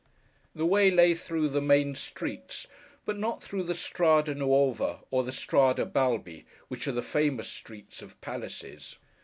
The way lay through the main streets, but not through the Strada Nuova, or the Strada Balbi, which are the famous streets of palaces.